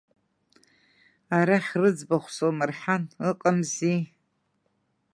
Арахь рыӡбахә сумырҳан, ыҟамзи…